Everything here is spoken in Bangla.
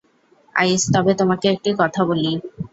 আইস, তবে তোমাকে একটি কথা বলি।